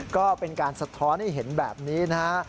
ก็เป็นการสะท้อนให้เห็นแบบนี้นะฮะ